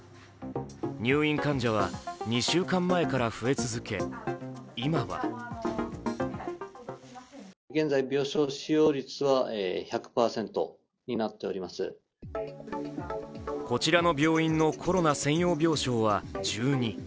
入院患者は２週間前から増え続け、今はこちらの病院のコロナ専用病床は１２。